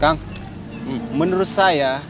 kang menurut saya